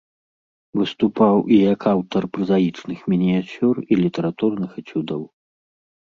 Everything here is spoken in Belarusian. Выступаў і як аўтар празаічных мініяцюр і літаратурных эцюдаў.